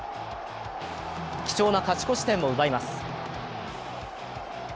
貴重な勝ち越し点を奪います。